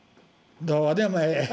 どうでもええ。